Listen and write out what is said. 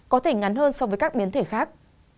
có thể ngắn hơn so với các biến thể khác